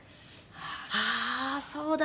「ああーそうだ」。